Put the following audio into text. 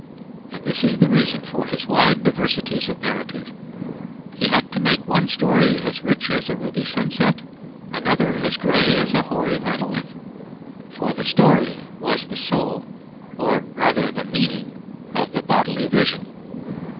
And this is the reason for his wide diversities of narrative: he had to make one story as rich as a ruby sunset, another as grey as a hoary monolith: for the story was the soul, or rather the meaning, of the bodily vision.